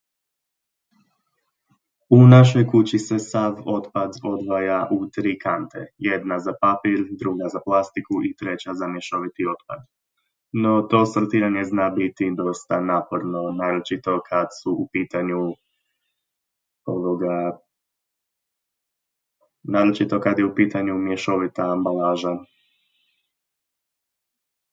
U našoj se kući sav otpad odvaja u tri kante, jedna za papir, druga za plastiku i treća za mješoviti otpad. No to sortiranje zna biti dosta naporno, naročito kad su u pitanju... ovoga... naročito kad je u pitanju mješovita ambalaža.